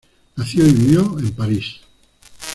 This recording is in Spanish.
Nació y vivió en París.